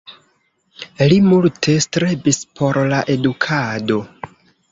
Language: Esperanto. Li multe strebis por la edukado.